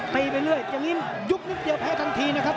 ไปเรื่อยอย่างนี้ยุบนิดเดียวแพ้ทันทีนะครับ